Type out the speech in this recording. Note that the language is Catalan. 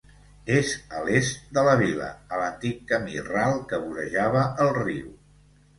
És a l'est de la vila, a l'antic camí ral que vorejava el riu.